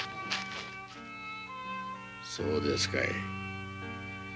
そうですかい。